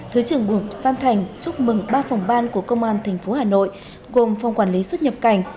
thứ trưởng bùi văn thành chúc mừng ba phòng ban của công an tp hà nội gồm phòng quản lý xuất nhập cảnh